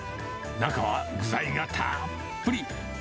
中は具材がたっぷり。